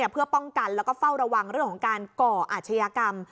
เพื่อป้องกันแล้วก็เฝ้าระวังเรื่องของการก่ออาชญากรรม